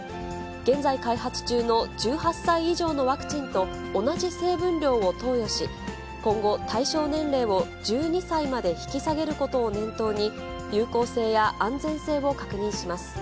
現在、開発中の１８歳以上のワクチンと同じ成分量を投与し、今後、対象年齢を１２歳まで引き下げることを念頭に、有効性や安全性を確認します。